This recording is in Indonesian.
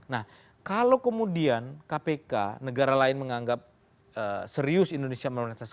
nah kalau kemudian kpk negara lain menganggap serius indonesia melakukan